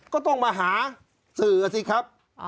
ก็ต้องมาหาสื่อสิครับ